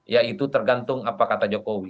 yaitu tergantung apa kata jokowi